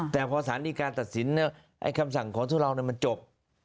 แต่พอสารดีการตัดสินคำสั่งของทุเลามันจบ